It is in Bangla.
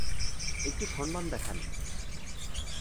একটু সম্মান দেখান।